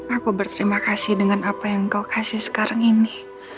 aku berterima kasih dengan apa yang kau kasih sekarang ini